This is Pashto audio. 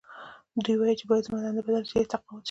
دوی وايي چې باید زما دنده بدله شي یا تقاعد شم